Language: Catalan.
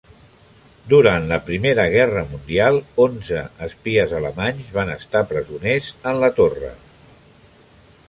Durant la Primera Guerra Mundial onze espies alemanys van estar presoners en la Torre.